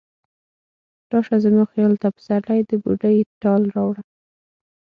راشه زما خیال ته، پسرلی د بوډۍ ټال راوړه